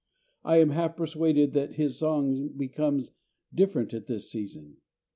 I am half persuaded that his song becomes different at this season.